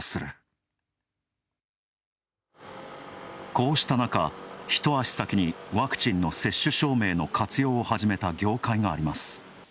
こうした中、一足先にワクチンの接種証明の活用を始めた業界があります。